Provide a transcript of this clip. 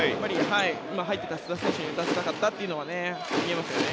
今、入っていた須田選手に出したかったというのが見えますよね。